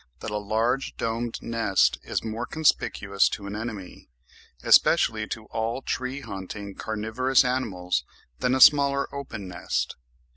that a large domed nest is more conspicuous to an enemy, especially to all tree haunting carnivorous animals, than a smaller open nest.